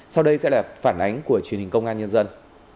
sau đây sẽ là phản ánh của truyền hình công an nhân dân